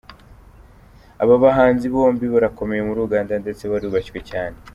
Aba bahanzi bombi barakomeye muri Uganda ndetse barubashywe cyane.